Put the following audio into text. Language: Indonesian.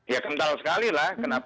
ya kental sekali lah